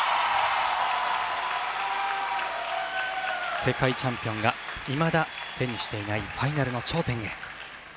世界チャンピオンがいまだ手にしていないファイナルの頂点へ。